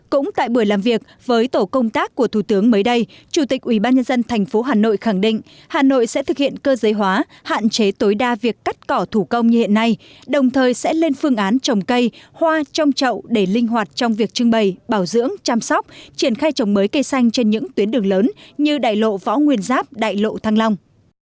cũng tại buổi làm việc với tổ công tác của thủ tướng mới đây chủ tịch ubnd tp hà nội khẳng định hà nội sẽ thực hiện cơ giới hóa hạn chế tối đa việc cắt cỏ thủ công như hiện nay đồng thời sẽ lên phương án trồng cây hoa trong trậu để linh hoạt trong việc trưng bày bảo dưỡng chăm sóc triển khai trồng mới cây xanh trên những tuyến đường lớn như đại lộ võ nguyên giáp đại lộ thăng long